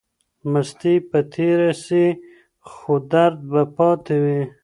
مستی به تیره سي خو درد به پاتې وي.